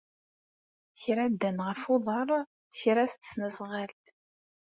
Kra ddan ɣef uḍar, kra s tesnasɣalt.